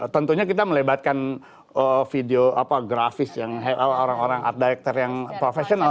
tentunya kita melebatkan video apa grafis yang orang orang art director yang profesional